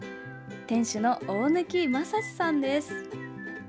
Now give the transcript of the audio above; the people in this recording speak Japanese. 店主の大貫将史さんです。